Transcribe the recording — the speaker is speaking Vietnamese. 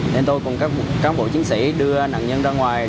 nên tôi cùng các cán bộ chiến sĩ đưa nạn nhân ra ngoài